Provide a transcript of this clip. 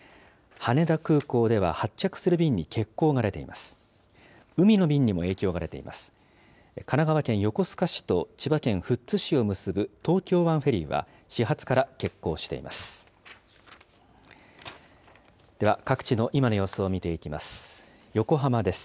羽田空港では発着する便に欠航が出ています。